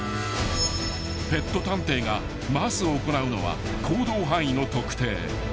［ペット探偵がまず行うのは行動範囲の特定］